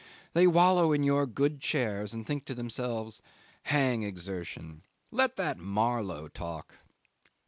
They wallow in your good chairs and think to themselves, "Hang exertion. Let that Marlow talk."